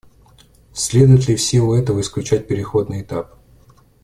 Следует ли в силу этого исключать переходный этап?